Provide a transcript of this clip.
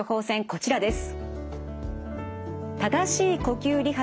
こちらです。